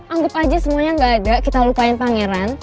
anggup aja semuanya gak ada kita lupain pangeran